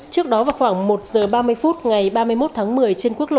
trước đó vào khoảng một giờ ba mươi phút ngày ba mươi một tháng một mươi trên quốc lộ